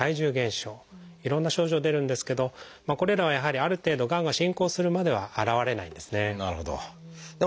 いろんな症状出るんですけどこれらはやはりある程度がんが進行するまでは現れないんですね。